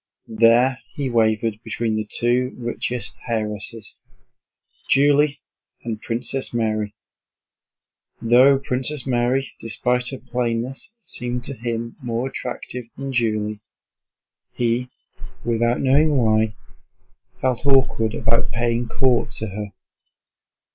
There he wavered between the two richest heiresses, Julie and Princess Mary. Though Princess Mary despite her plainness seemed to him more attractive than Julie, he, without knowing why, felt awkward about paying court to her.